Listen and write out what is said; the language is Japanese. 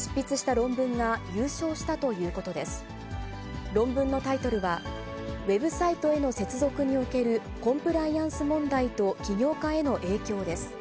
論文のタイトルは、ウェブサイトへの接続におけるコンプライアンス問題と起業家への影響です。